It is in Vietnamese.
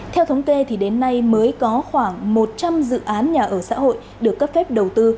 theo thống kê thì đến nay mới có khoảng một trăm linh dự án nhà ở xã hội được cấp phép đầu tư